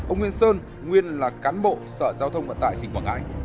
ông nguyễn sơn nguyên là cán bộ sở giao thông vận tải thịnh quảng ngãi